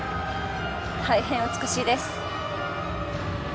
大変美しいです。